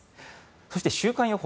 そして週間予報。